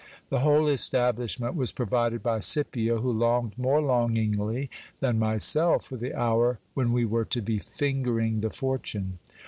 The whole establishment was provided by Scipio, who longed more longingly than myself for the hour when we were to be fingering the fortune.